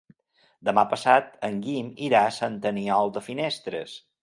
Demà passat en Guim irà a Sant Aniol de Finestres.